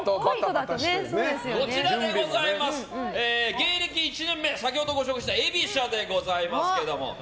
芸歴１年目先ほど、ご紹介したえびしゃでございますけれども。